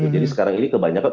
jadi sekarang ini kebanyakan